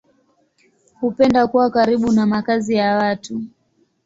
Hupenda kuwa karibu na makazi ya watu.